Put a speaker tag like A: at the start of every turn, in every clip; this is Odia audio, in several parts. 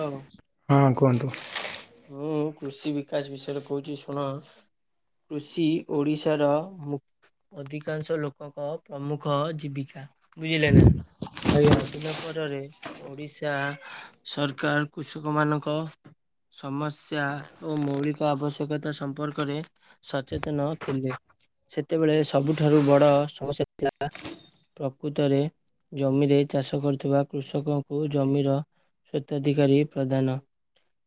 A: ଓ
B: ହଁ କୁହନ୍ତୁ।
A: ମୁଁ କୃଷି ବିକାଶ ବିଷୟରେ କହୁଛି ଶୁଣ ।କୃଷି ଓଡିଶାର ମୁ୍ ଅଧିକାଂଶ ଲୋକଙ୍କ ପ୍ରମୁଖ ଜୀବିକା। ବୁଝିଲେ ନା।
B: ଆଜ୍ଞା
A: ସ୍ଵାଧୀନ ପରେରେ ଓଡିଶା ସରକାର କୃଷକ ମାନଙ୍କ ସମସ୍ୟା ଓ ମୌଳିକ ଆବଶ୍ୟକତା ସମ୍ପର୍କରେ ସଚେତନ ଥିଲେ ।ସେତେବେଳେ ସବୁଠାରୁ ବଡ ସମସ୍ୟା ଥିଲା ପ୍ରକୃତରେ ଜମିରେ ଚାଷ କରୁଥିବା କୃଷକଙ୍କୁ ଜମିର ଶ୍ଵତଅଧିକାରୀ ପ୍ରଦାନ।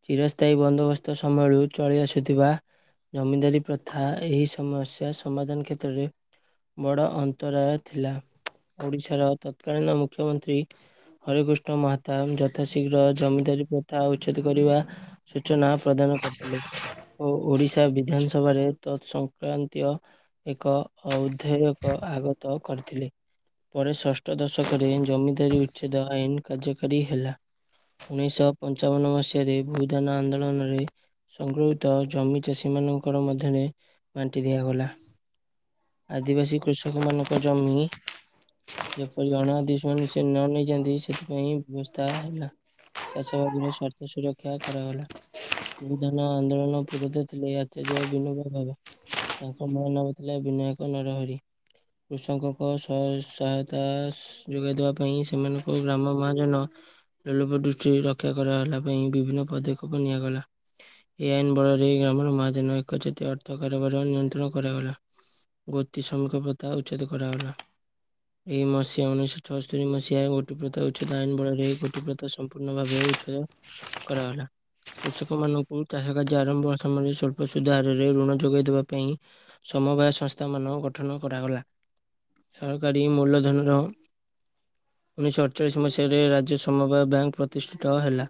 A: ଚିରସ୍ଥାୟୀ ବନ୍ଦୋବସ୍ତ ସମୟରୁ ଚଳି ଆସୁଥିବା ଜମିଦାରୀ ପ୍ରଥା ଏହି ସମସ୍ୟା ସମାଧାନ କ୍ଷେତ୍ରରେ ବଡ଼ ଅନ୍ତରାୟ ଥିଲା। ଓଡ଼ିଶାର ତତ୍କାଳୀନ ମୁଖ୍ୟମନ୍ତ୍ରୀ ହରେକୃଷ୍ଣ ମହାତାବ ଯଥାଶୀଘ୍ର ଜମିଦାରୀ ପ୍ରଥା ଉଚ୍ଛେଦ କରିବା ସୂଚନା ପ୍ରଦାନ କରିଥିଲେ ଓ ଓଡିଶା ବିଧାନସଭାରେ ତତ୍ ସଂଂକ୍ରାନ୍ତୀୟ ଏକ ଅଧ୍ୟୟକ ଆଗତ କରିଥିଲେ ପରେ ଷଷ୍ଠ ଦଶକରେ ଜମିଦାରୀ ଉଚ୍ଛେଦ ଆଇନ କାର୍ଯ୍ୟକାରୀ ହେଲା ।ଉଣେଇଶଶହ ପଞ୍ଚାବନ ମସିହାରେ ଭୂଦାନ ଆନ୍ଦୋଳନରେ ସଗୃହିତ ଜମି ଚାଷୀ ମାନଙ୍କର ମଧ୍ୟରେ ବାଣ୍ଟି ଦିଆଗଲା। ଆଦିବାସୀ କୃଷକ ମାନଙ୍କ ଜମି ଯେପରି ଅଣ ଆଦି ମାନ ସେ ନ ନେଇ ଯନ୍ତି ସେଥିପାଇଁ ବ୍ୟବସ୍ଥା ହେଲା। ଚାଷବାାଗର ସ୍ୱାର୍ଥ ସୁରକ୍ଷା ରକ୍ଷା କରାଗଲା । ଭୂ ଦାନଆନ୍ଦୋଳନ ପୂୁରଧା ଥିଲେ ଆତଯ୍ୟ ବିନୟ ଭାବେ। ତାଙ୍କ ମା ନାମ ଥିଲା ବିନାୟକ ନରହରି ।କୃଷକଙ୍କ ସହାୟତା ଯୋଗାଇ ଦେବା ପାଇଁ ସେମାନଙ୍କୁ ଗ୍ରାମ ମହାଜନ ଲୋଲପ ଦୃଷ୍ଟି ରକ୍ଷା କରାଗଲା ପାଇଁ ବିଭିନ୍ନ ପଦକ୍ଷେପ ନିଆଗଲା। ଏ ଆଇନ ବଳରେ ଗ୍ରାମର ମହାଜନ ଏକ ଜାତୀୟ ଅର୍ଥ କାରବାର ନିୟନ୍ତ୍ରଣ କରାଗଲା ଗୋତି ଶ୍ରମିକ ପ୍ରଥା ଉଚ୍ଛେଦ କରାଗଲା। ଏହିଇ ମସିଆ ଉଣେଇଶଶହ ଛଅସ୍ତରିୀ ମସିହା ଗୋଟି ପ୍ରଥା ଉଚ୍ଛେଦ ଆଇନ ବଳରେ ଗୋଟି ପ୍ରଥା ସମ୍ପୂର୍ଣ୍ଣ ଭାବେ ଉଚ୍ଛେଦ କରାଗଲା। କୃଷକ ମାନଙ୍କୁ ଚାଷ କାର୍ଯ୍ୟ ଆରମ୍ଭ ସମୟରେ ସ୍ୱଳ୍ପ ସୁଧରରେ ଋଣ ଯୋଗାଇ ଦେବା ପାଇଁ ସମବାୟ ସଂସ୍ଥା ମାନ ଗଠନ କରାଗଲା। ସରକାରୀ ମୂଲ୍ୟଧନର [inaudible] ଉଣେଇଶଶହ ଅଠଚାଳିଶ ମସିହାରେ ରାଜ୍ୟ ସମବାୟ ବ୍ୟାଙ୍କ ପ୍ରତିଷ୍ଠିତ ହେଲା।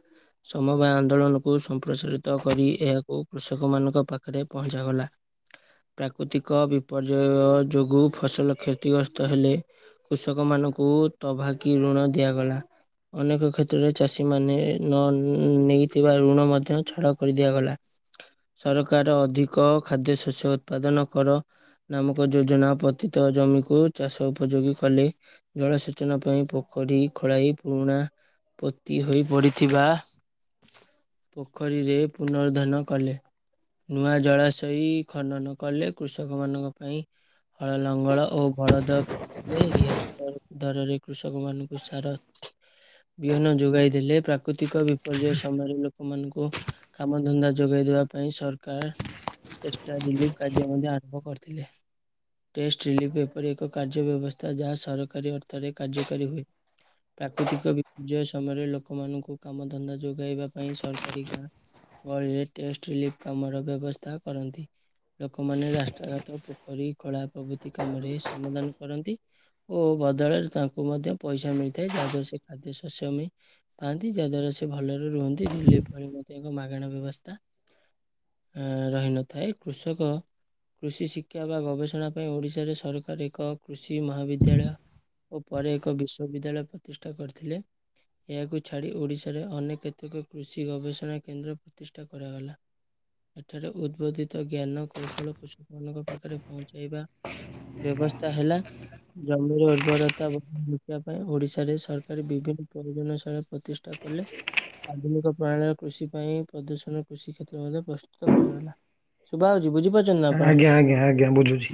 A: ସମବାୟ ଆନ୍ଦୋଳନକୁ ସମ୍ପ୍ରସାରିତ କରି ଏହାକୁ କୃଷକମାନଙ୍କ ପାଖରେ ପହଞ୍ଚାଗଲା। ପ୍ରାକୃତିକ ବିପର୍ଯ୍ୟୟ ଯୋଗୁଁ ଫସଲ କ୍ଷତିଗ୍ରସ୍ତ ହେଲେ କୃଷକମାନଙ୍କୁ ତଭାକି ଋଣ ଦିଆଗଲା। ଅନେକ କ୍ଷେତ୍ରରେ ଚାଷୀମାନେ ନ ନ ନେଇଥିବା ଋଣ ମଧ୍ୟ ଛାଡ଼ କରିଦିଆଗଲା। ସରକାର ଅଧିକ ଖାଦ୍ୟ ଶସ୍ୟ ଉତ୍ପାଦନ କର ନାମକ ଯୋଜନା ପତୀତ ଜମିକୁ ଚାଷ ଉପଯୋଗୀ କଲେ ଜଳସେଚନ ପାଇଁ ପୋଖରୀ ଖୋଳାଇ ପୁରୁଣା ପୋତି ହୋଇ ପଡିଥିବା ପୋଖରୀରେ ପୁନର୍ଦ୍ଧନ କଲେ। ନୂଆ ଜଳାଶୟ ଖନନ କଲେ କୃଷକ ମାନଙ୍କ ପାଇଁ ହଳ ଲଙ୍ଗଳ ଓ ବଳଦ ଖଲେ ରିହା ଦରରେ କୃଷକ ମାନଙ୍କୁ ସାର ବିହନ ଯୋଗାଇ ଦେଲେ। ପ୍ରାକୃତିକ ବି ବିପର୍ଯ୍ୟୟ ସମୟରେ ଲୋକମାନଙ୍କୁ କାମଧନ୍ଦା ଯୋଗାଇ ଦେବା ପାଇଁ ସରକାର ଚେଷ୍ଟା ରିଲିଫ କାର୍ଯ୍ୟ ମଧ୍ୟ ଆରମ୍ଭ କରିଥି। ଟେଷ୍ଟ ରିଲିଫ ଏପରି ଏକ କାର୍ଯ୍ୟ ବ୍ୟବସ୍ଥା ଯାହା ସରକାରୀ ଅର୍ଥରେ କାର୍ଯ୍ୟକାରୀ ହୁଏ। ପ୍ରାକୃତିକ ବିପର୍ଯ୍ୟୟ ସମୟରେ ଲୋକମାନଙ୍କୁ କାମ ଧନ୍ଦାଯୁୋଗ ଯୋଗାଇବା ପାଇଁ ସରକାରୀ ଗାଁ ଗଳିରେ ଟେଷ୍ଟ ରିଲିଫ କାମର ବ୍ୟବସ୍ଥା କରନ୍ତି। ଲୋକମାନେ ରାସ୍ତାଘାାତ ପୋ କରି କଳା ପ୍ରଭୃତି କାମରେ ସମାଧାନ କରନ୍ତି ଓ ବଦଳରେ ତାଙ୍କୁ ମଧ୍ୟ ପଇସା ମିଳିଥାଏ। ଯାହାଦ୍ଵାରା ସେ ଖାଦ୍ୟ ଶସ୍ୟ ପାଆନ୍ତି ଯାହାଦଵାରା ସେ ଭଲରେ ରୁହନ୍ତିି ରିଲିଫ୍ ପାଇ ମ ପ୍ରତ୍ୟ ମାଗଣା ବ୍ୟବସ୍ଥା [inaudible] ରହିନଥାଏ କୃଷକ କୃଷି ଶିକ୍ଷା ବା ଗବେଷଣା ପାଇଁ ଓଡ଼ିଶାରେ ସରକାର ଏକ କୃଷି ମହାବିଦ୍ୟାଳୟ ଓ ପରେ ଏକ ବିଶ୍ୱବିଦ୍ୟାଳୟ ପ୍ରତିଷ୍ଠା କରିଥିଲେ। ଏହାକୁ ଛାଡି ଓଡ଼ିଶା ଶରେ ଅନେକ କେତେକ କୃଷି ଗବେଷଣା କେନ୍ଦ୍ର ପ୍ରତିଷ୍ଠା କରାଗଲା। ଏଠାରେ ଉଦ୍ବୋଧିତ ଜ୍ଞାନ କୌଶଳ ପ ମାନଙ୍କ ପାଖରେ ପହଞ୍ଚେଇବା ବ୍ୟବସ୍ଥା ହେଲା। ଜମିର ଉର୍ବରତା ଶିକ୍ଷା ପାଇଁ ଓଡିଶାରେ ସରକାର ବିଭିନ୍ନ ପରିଜନାଶାଳା ପ୍ରତିଷ୍ଠା କଲେ ଆଧୁନିକ ପ୍ରଣାଳୀ କୃଷି ପାଇଁ ପ୍ରଦୂଷଣ କୃଷି କ୍ଷେତ୍ର ମଧ୍ୟ ପ୍ରସ୍ତୁତ କରାଗଲା। ସୁବା ବୁଝିପାରୁଛନ୍ତି ନା ଆପଣ
B: ଆଜ୍ଞା ଆଜ୍ଞା ଆଜ୍ଞା ବୁଝୁଛି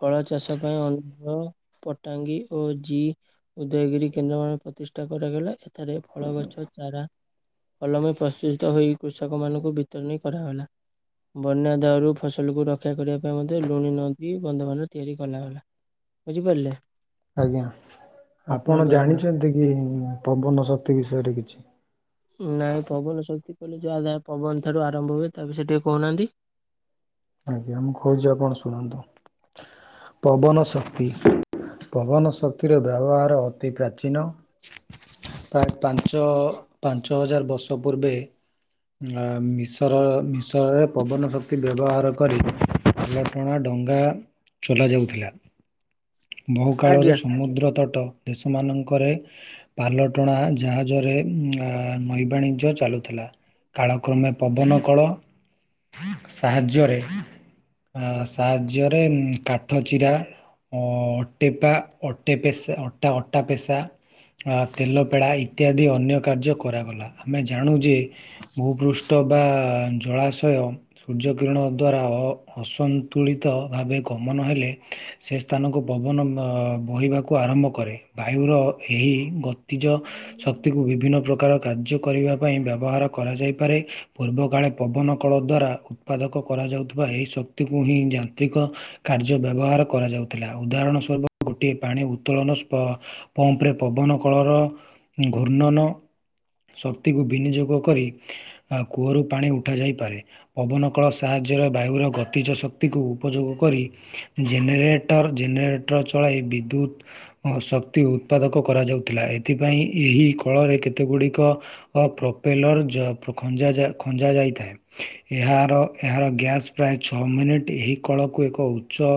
A: ଫଳ ଚାଷ ପାଇଁ ଅନୁଗ ପଟାଙ୍ଗୀ ଓ ଜି ଉଦୟଗିରି କେନ୍ଦ୍ରମାନେ ପ୍ରତି ଚଷ୍ଟା କରାଗଲା ଏଠାରେ ଫଳ ଗଛ ଚାରା ଅଲମୀ ପ୍ରସ୍ତୁଷିତ ହୋଇ କୃଷକମାନାନଙ୍କୁ ବିତରଣୀ କରାଗଲା। ବନ୍ୟା ଦାଉରୁ ଫସଲକୁ ରକ୍ଷା କରିବା ପାଇଁ ମଧ୍ୟ ଲୁଣି ନ ଦେଇ ବନ୍ଧମାନ ତିଆରି କଲାଗଲା। ବୁଝିପାରିଲେ।
B: ଆଜ୍ଞା
A: ଆଉ
B: ଆପଣ
A: କୁହନ୍ତୁ
B: ଜାଣିଛନ୍ତି କି? ପବନ ଶକ୍ତି ବିଷୟରେ କିଛି?
A: ନାଇଁ ପବନ ଶକ୍ତି କହିଲେ ଜୁଆ ଜାହା ଯହା ପବନ ଠାରୁ ଆରମ୍ଭ ହୁଏ ତା ବିଷୟରେ ଟିକିେ କହୁନାହାନ୍ତି।
B: ଆଜ୍ଞା ମୁଁ କହୁଛି ଆପଣ ଶୁଣନ୍ତୁ। ପବନ ଶକ୍ତି ପବନ ଶକ୍ତିର ବ୍ୟବହାର ଅତି ପ୍ରାଚୀନ [inaudible] ପ୍ରାୟ ପାଞ୍ଚ ଅ ପାଞ୍ଚ ଛଅ ହଜାର ବର୍ଷ ପୂର୍ବେ ମିଶର ମିଶରରେ ପବନ ଶକ୍ତି ବ୍ୟବହାର କରି ପାଲଟଣା ଡଙ୍ଗା ଚଲ ଯାଉଥିଲା। ବହୁ କାଳରୁ
A: ଆଜ୍ଞା
B: ସମୁଦ୍ର ତଟ ଦେଶମାନଙ୍କରେ ପାଲଟଣା ଜାହାଜରେ ନୈବାଣିଜ୍ୟ ଚାଲୁଥିଲା କାଳକ୍ରମେ ପବନ କଳ ସାହାଯ୍ୟରେ ସାହାଯ୍ୟରେ କାଠ ଚିରା ଅଟେପ ଅଟୋ ଅଟା ଅଟା ପେସା ଅ ତେଲ ପେଡ଼ା ଇତ୍ୟାଦି ଅନ୍ୟ କାର୍ଯ୍ୟ କରାଗଲା ଆମେ ଜାଣୁ ଯେ ଭୂପୃଷ୍ଠ ବା ଜଳାଶୟ ସୂର୍ଯ୍ୟ କିରଣ ଦ୍ୱାରା ଅସନ୍ତୁଳିତ ଭାବେ ଗମନ ହେଲେ ସେ ସ୍ଥାନକୁ ପବନ ବହିବାକୁ ଆରମ୍ଭ କରେ ବାୟୁର ଏହି ଗ ନିଜ ଶକ୍ତିକୁ ବିଭିନ୍ନ ପ୍ରକାର କାର୍ଯ୍ୟ କରିବା ପାଇଁ ବ୍ୟବହାର କରାଯାଇପାରେ ପୂର୍ବକାଳେ ପବନ କଳ ଦ୍ଵାରା ଉତ୍ପାଦକ କରାଯାଉଥିବା ଏହି ଶକ୍ତିକୁ ହିଁ ଯାନ୍ତ୍ରିକ କାର୍ଯ୍ୟ ବ୍ୟବହାର କରାଯାଉଥିଲା ଉଦାହରଣ ସ୍ୱରୂପ ଗୋଟିଏ ପାଣି ଉତ୍ତୋଳନ ପମ୍ପରେ ପବନ କଳର ଘୂର୍ଣ୍ଣନ ଶକ୍ତିକୁ ବିନିଯୋଗ କରି କୂଅରୁ ପାଣି ଉଠାଯାଇପାରେ ପବନ କଳ ସାହାଯ୍ୟରେ ବାୟୁର ଗତିଜ ଶକ୍ତିକୁ ଉପଯୋଗ କରି ଜେନେରେଟର ଜେନେରେଟର ଚଳାଇ ବିଦ୍ୟୁତ୍ ଶକ୍ତି ଉତ୍ପାଦକ କରାଯାଉଥିଲା ଏଥିପାଇଁ ଏହି କଳରେ କେତେଗୁଡ଼ି ପ୍ରୋପେଲର୍ଜ ଖଞ୍ଜା ଯାଇଥାଏ ଏହାର ଏହାର ଗ୍ୟାସ୍ ପ୍ରାୟ ଛଅ ମିନିଟ୍ ଏହି କଳକୁ ଏକ ଉଚ୍ଚ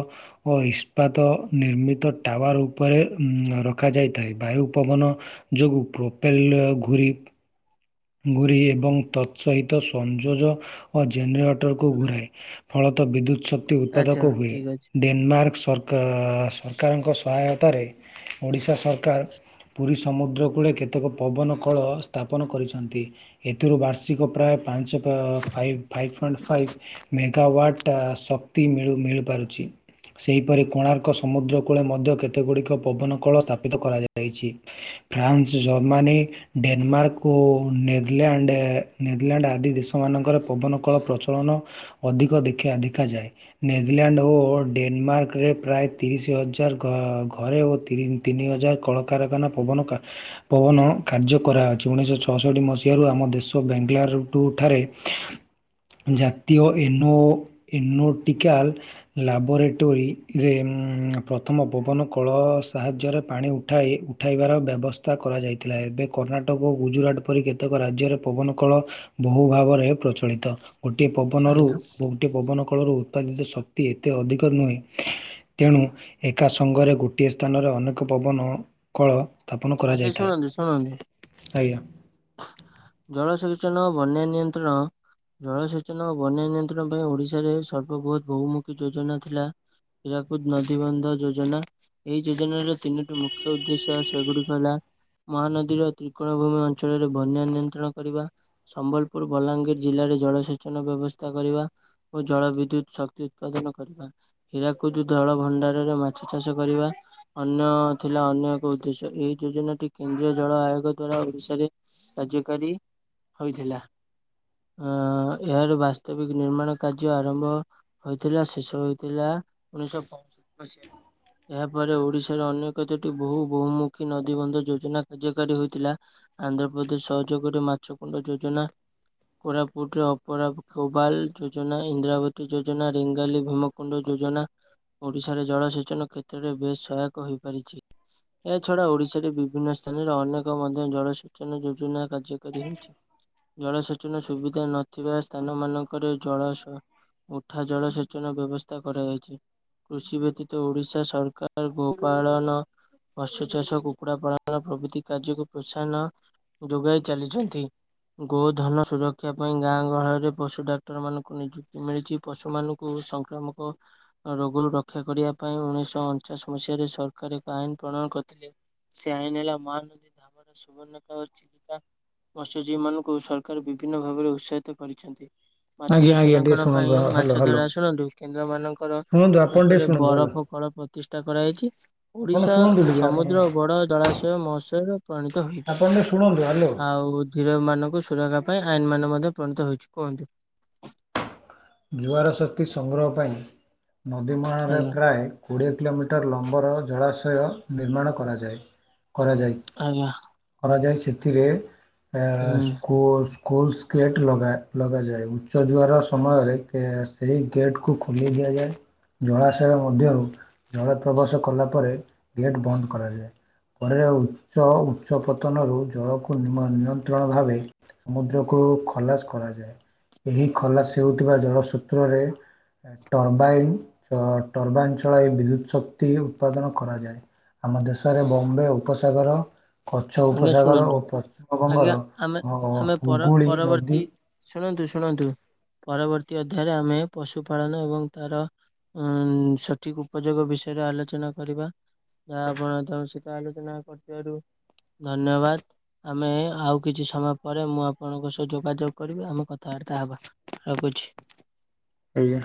B: ଓ ଇସ୍ପାତ ନିର୍ମିତ ଟାୱାର ଉପରେ ରଖାଯାଇଥାଏ ବାୟୁ ପବନ ଯୋଗୁଁ ପ୍ରୋପେଲ ଘୁରି ଗୁରିଏ ଏବଂ ତତ୍ ସହିତ ସଂଯୋଜ ଓ ଜେନେରେଟରକୁ ଘୁରାଏ ଫଳତଃ ବିଦ୍ୟୁତ୍ ଶକ୍ତି
A: ଆଚ୍ଛା
B: ଉତ୍ପାଦକ ହୁଏ
A: ଠିକ ଅଛି
B: ଡେନମାର୍କ ସର କା ସରକାରଙ୍କ ସହାୟତାରେ ଓଡ଼ିଶା ସରକାର ପୁରୀ ସମୁଦ୍ର କୂଳେ କେତେକ ପବନ କଳ ସ୍ଥାପନ କରିଛନ୍ତି ଏଥିରୁ ବାର୍ଷିକ ପ୍ରାୟ ପାଞ୍ଚ five five point five megawatt ଶକ୍ତି ମିଳିପାରୁଛି ସେହିପରି କୋଣାର୍କ ସମୁଦ୍ର କୂଳେ ମଧ୍ୟ କେତେଗୁଡ଼ିକ ପବନ କଳ ସ୍ଥାପିତ କରାଯାଇଛି ଫ୍ରାନ୍ସ ଜର୍ମାନୀ ଡେନମାର୍କ ଓ ନେରଲଣ୍ଡ ନେଦରଲ୍ୟାଣ୍ଡ ଆଦି ଦେଶମାନଙ୍କରେ ପବନ କଳ ପ୍ରଚଳନ ଅଧିକ ଦେ ଦେଖାଯାଏ ନେଦରଲ୍ୟାଣ୍ଡ ଓ ଡେନମାର୍କରେ ପ୍ରାୟ ତିରିଶ ହଜାର ଘରେ ଓ ତିନି ହଜାର କଳକାରଖାନାନ ପବନ କାର୍ଯ୍ୟ କରାଛି। ଉଣେଇଶହ ଛଅଷଠି ମସିହାରୁ ଆମ ଦେଶ ବାଙ୍ଗଲରୁୁଠାରେ ଜାତୀୟ ଏନୋ ଏନୋଟିକାଲ୍ ଲାବୋରେଟୋରିୀରେ ପ୍ରଥମ ପବନ କଳ ସାହାଯ୍ୟରେ ପାଣି ଉଠାଇ ଉଠାଇବାର ବ୍ୟବସ୍ଥା କରାଯାଇଥିଲା ଏବେ କର୍ଣ୍ଣାଟକ ଟକ ଓ ଗୁଜୁରଟ ପରି କେତେକ ରାଜ୍ୟରେ ପବନ କଳ ବହୁ ଭାବରେ ପ୍ରଚଳିତ ଗୋଟିଏ ପବନରୁ
A: ଆଜ୍ଞା
B: ଗୋଟିଏ ପବନକୁ କଳରୁ ଉତ୍ପାଦିତ ଶକ୍ତି ଏତେ ଅଧିକ ନୁହେଁ ତେଣୁ ଏକା ସଙ୍ଗରେ ଗୋଟିଏ ସ୍ଥାନରେ ଅନେକ ପବନ କଳ
A: ଆଛା ଶୁଣନ୍ତୁ ଶୁଣନ୍ତୁ
B: ଆଇନା
A: ଜଳସେଚନ ଓ ବନ୍ୟା ନିୟନ୍ତ୍ରଣ ଜଳସେଚନ ଓ ବନ୍ୟା ନିୟନ୍ତ୍ରଣ ପାଇଁ ଓଡିଶାରେ ସର୍ବବୃହତ ବହୁମୁଖୀ ଯୋଜନା ଥିଲା ହରାକୁଦ ନଦୀବନ୍ଧ ଯୋଜନା ଏହିଇ ଯୋଜନାର ତିନୋଟି ମୁଖ୍ୟ ଉଦ୍ଦେଶ୍ୟ ସେଗୁଡିକ ହେଲା ମହାନଦୀର ତ୍ରିକୋଣ ଭୂମି ଅଞ୍ଚଳରେ ବନ୍ୟା ନି କରିବା ସମ୍ବଲପୁର ବଲାଙ୍ଗୀର ଜିଲ୍ଲାରେ ଜଳସେଚନ ବ୍ୟବସ୍ଥା କରିବା ଓ ଜଳ ବିଦ୍ୟୁତ ଶକ୍ତି ଉତ୍ପାଦନ କରିବା ହୀରାକୁଦ ଜଳ ଭଣ୍ଡାରରେ ମାଛ ଚାଷ କରିବା ଅନ୍ୟ ଥିଲା ଅନ୍ୟ ଏକ ଉଦ୍ଦେଶ୍ୟ ଏହି ଯୋଜନାଟି କେନ୍ଦ୍ରୀୟ ଜଳ ଆୟୋଗ ଦ୍ଵାରା ଓଡିଶାରେ ରାଜ ୀ ହୋଇଥିଲା ଆ ଏହାର ବାସ୍ତବିକ ନିର୍ମାଣ କାର୍ଯ୍ୟ ଆରମ୍ଭ ହୋଇଥିଲା ଶେଷ ହୋଇଥିଲା ଉଣେଇଶହ ପଷଠି ମସିହାରେ ଏହାପରେ ଓଡିଶାର ଅନ୍ୟ କେତୋଟି ବହୁ ବହୁମୁଖୀ ନଦୀବନ୍ଧ ଯୋଜନା କାର୍ଯ୍ୟକାରୀ ହୋଇଥିଲା ଆନ୍ଧ୍ରପ୍ରଦେଶ ଯୋଗରେ ମାଛ କଣ୍ଡ ଯୋଜନା କୋରାପୁଟରେ ଅପରାୋବାଲ ଯୋଜନା ଇନ୍ଦ୍ରାବତୀ ଯୋଜନା ିଙ୍ଗାଲି ଭୀମକୁଣ୍ଡ ଯୋଜନା ଓଡିଶାରେ ଜଳସେଚନ କ୍ଷେତ୍ରରେ ବେଶ ସହାୟକ ହୋଇପାରିଛି ଏହାଛଡା ଓଡିଶାରେ ବିଭିନ୍ନ ସ୍ଥାନରେ ଅନେକ ମଧ୍ୟ ଜଳସେଚନ ଯୋଜନା କାର୍ଯ୍ୟକାରୀ ହେଉଛି ଜଳସେଚନ ସୁବିଧା ନଥିବା ସ୍ଥାନ ମାନଙ୍କରେ ଜଳ ଉଠା ଜଳସେଚନ ବ୍ୟବସ୍ଥା କରାଯାଇଛି କୃଷି ବ୍ୟତୀତ ଓଡିଶା ସରକାର ଗୋପାଳନ ମତ୍ସ୍ୟ ଚାଷ କୁକୁଡ଼ା ପାଳନ ପ୍ରଭୃତି କାର୍ଯ୍ୟକୁ ପ୍ରୋତ୍ସାହନ ଯୋଗାଇ ଚାଲିଛନ୍ତି ଗୋଧନ ସୁରକ୍ଷା ପାଇଁ ଗାଁ ଗହରେ ପଶୁ ଡାକ୍ତର ମାନଙ୍କୁ ନିଯୁକ୍ତି ମିଳିଛି ପଶୁମାନଙ୍କୁ ସଂକ୍ରାମକ ରୋଗରୁ ରକ୍ଷା କରିବା ପାଇଁ ଉଣେଇଶହ ଅଣଚାଶ ମସିହାରେ ସରକାର ଏକ ଆଇନ ପ୍ରଣୟନ କରିଥିଲେ ସେ ଆଇନ ହେଲା ମହାନଦୀ ଧାମର ସୁବର୍ଣ୍ଣ ଚିଲିକା ମତ୍ସ୍ୟଜୀବୀ ମାନଙ୍କୁ ସରକାର ବିଭିନ୍ନ ଭାବରେ ଉତ୍ସାହିତ କରିଛନ୍ତି।
B: ଆଜ୍ଞା
A: ମାଛର
B: ଆଜ୍ଞା ଟିକେ
A: ସଂରକ୍ଷଣ
B: ଶୁଣନ୍ତୁ
A: ପାଇଁ
B: ହ୍ୟାଲୋ
A: ମାଛ
B: ହ୍ୟାଲୋ
A: ଧରା ଆଶୁଣରୁ କେନ୍ଦ୍ର ମାନଙ୍କର
B: ଶୁଣନ୍ତୁ ଆପଣ ଟିକେ
A: ପାଖରେ
B: ଶୁଣନ୍ତୁ ହ୍ୟାଲୋ
A: ବରଫ କଳ ପ୍ରତିଷ୍ଠା କରାଯାହାଇଛି
B: ଆପଣ
A: ଓଡିଶା
B: ଶୁଣନ୍ତୁ ଟିକେ ଆପଣ
A: ସମୁଦ୍ର ବଡ ଜଳାଶୟ ମହଶୟର
B: ଆପଣ ବି ଶୁଣନ୍ତୁ ଆ
A: ଆଉ ଧିର ମାନଙ୍କୁ ସୁରକ୍ଷା ପାଇଁ ଆଇନ ମାନେ ମଧ୍ୟ ଣିତ ହେଇଛି କୁହନ୍ତୁ।
B: ଜୁଆର ଶକ୍ତି ସଂଗ୍ରହ ପାଇଁ ନଦୀମାଳାରେ
A: ଆଜ୍ଞା
B: ପ୍ରାୟ କୋଡ଼ିଏ କିଲୋମିଟର ଲମ୍ବର ଜଳାଶୟ [unintelligible] ନିର୍ମାଣ କରାଯାଏ କରାଯାଇ
A: ଆଜ୍ଞା
B: କରାଯାଇଛି। ସେଥିରେ ଏ
A: ହୁଁ
B: ସ୍କୁଲ ସ୍କୁଲ ସ୍କେଟ ଲଗା ଲଗାଯାଏ ଉଚ୍ଚ ଜୁଆର ସମୟରେ ସେହି ଗେଟ୍କୁ ଖୋଲି ଦିଆଯାଏ ଜଳାଶୟ ମଧ୍ୟରୁ ଜଳ ପ୍ରବେଶ କଲା ପରେ ଗେଟ୍ ବନ୍ଦ କରାଯାଏ ପରେ ଉଚ୍ଚ ଉଚ୍ଚ ପତନରୁ ଜଳକୁ ନିୟନ୍ତ୍ରଣ ଭାବେ ସମୁଦ୍ରକୁ ଖଲାସ କରାଯାଏ ଏହି ଖଲାସ ହେଉ ଥିବା ଜଳ ସୂତ୍ରରେ ଟରବାଇନ ଟରବାଇନ୍ ଚଳାଇ ବିଦ୍ୟୁତ୍ ଶକ୍ତି ଉତ୍ପାଦନ କରାଯାଏ ଆମ ଦେଶରେ ବମ୍ବେ ଉପସାଗର କଚ୍ଛ
A: ଆଜ୍ଞା
B: ଉପସାଗର
A: ଶୁଣନ୍ତୁ।
B: ଓ
A: ଆଜ୍ଞା
B: ପଶ୍ଚିମବଙ୍ଗର
A: ଆମେ ଆମେ ପର
B: ହୁଗୁଳି ନଦୀ
A: ପରବର୍ତ୍ତୀ ଶୁଣନ୍ତୁ ଶୁଣନ୍ତୁ ପରବର୍ତ୍ତୀ ଅଧ୍ୟାୟରେ ଆମେ ପଶୁପାଳନ ଏବଂ ତାର ସଠିକ ଉପଯୋଗ ବିଷୟରେ ଆଲୋଚନା କରିବା ଯାହା ଆପଣ ତାଙ୍କ ସହିତ ଆଲୋଚନା କରିଥିବାରୁ ଧନ୍ୟବାଦ ଆମେ ଆଉ କିଛି ସମୟ ପରେ ମୁଁ ଆପଣଙ୍କ ସହ ଯୋଗାଯୋଗ କରିବି ଆମେ କଥାବାର୍ତ୍ତା ହେବା ରଖୁଛି।
B: ଆଜ୍ଞା